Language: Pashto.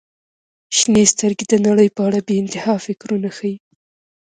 • شنې سترګې د نړۍ په اړه بې انتها فکرونه ښیي.